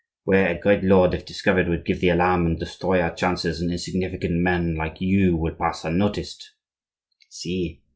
Where a great lord, if discovered, would give the alarm and destroy our chances, an insignificant man like you will pass unnoticed. See!